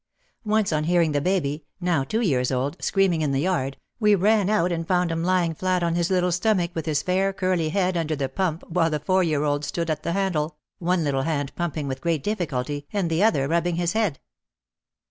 Once on hearing the baby — now two years old — screaming in the yard, we ran out and found him lying flat on his little stomach with his fair, curly head under the pump while the four year old stood at the handle, one little hand pumping with great diffi culty and the other rubbing his head.